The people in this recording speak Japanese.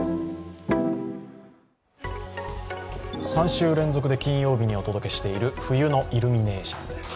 ３週連続で金曜日にお届けしている冬のイルミネーションです。